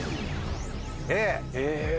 Ａ。